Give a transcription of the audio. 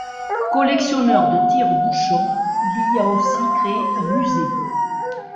Collectionneur de tire-bouchons, il y a aussi créé un musée.